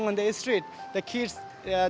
anak anak harus pergi ke sekolah sekarang